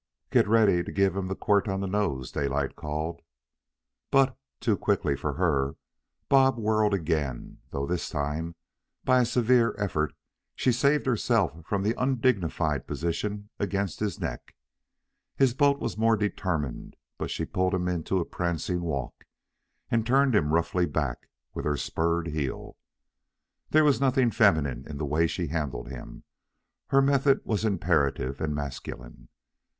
"Get ready to give him the quirt on the nose," Daylight called. But, too quickly for her, Bob whirled again, though this time, by a severe effort, she saved herself from the undignified position against his neck. His bolt was more determined, but she pulled him into a prancing walk, and turned him roughly back with her spurred heel. There was nothing feminine in the way she handled him; her method was imperative and masculine.